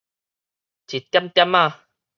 一點點仔